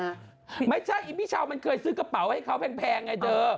อะไรนะฮะมิเช่ามันเคยซื้อกระเป๋าให้เค้าแพงไอ้เธอ